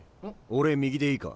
俺右でいいか？